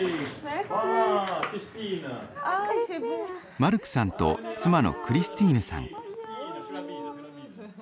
マルクさんと妻のクリスティーヌさん。